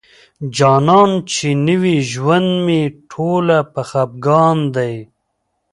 جانان چې نوي ژوند مي ټوله په خفګان دی